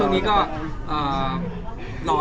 มีพี่ทำอะไรพิเศษมั้ย